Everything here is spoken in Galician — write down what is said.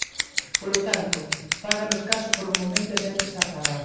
Polo tanto, fáganos caso por un momento e séntese a falar.